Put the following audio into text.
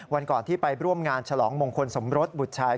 วันก่อนที่ไปร่วมงานฉลองมงคลสมรสบุตรชาย